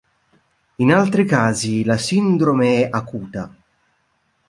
In altri casi la sindrome è acuta.